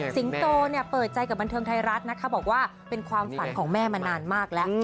โตเปิดใจกับบันเทิงไทยรัฐนะคะบอกว่าเป็นความฝันของแม่มานานมากแล้ว